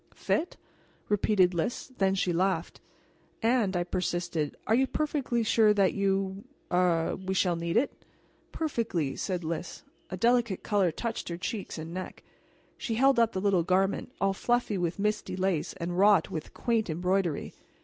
"Fit?" repeated Lys. Then she laughed "And," I persisted, "are you perfectly sure that you er we shall need it?" "Perfectly," said Lys. A delicate color touched her cheeks and neck. She held up the little garment, all fluffy with misty lace and wrought with quaint embroidery.